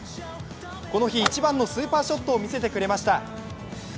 この日、一番のスーパーショットを見せてくれました。